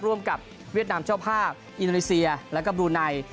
ร่วมกับเวียดนามเจ้าภาพอินโดนีเซียแล้วก็บลูไน